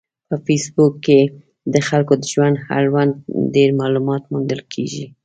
په فېسبوک کې د خلکو د ژوند اړوند ډېر معلومات موندل کېږي.